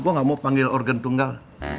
gue gak mau panggil organ tunggal